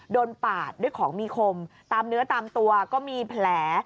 ปาดด้วยของมีคมตามเนื้อตามตัวก็มีแผล